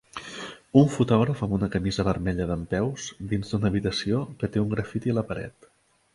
Un fotògraf amb una camisa vermella dempeus dins d'una habitació que té un grafiti a la paret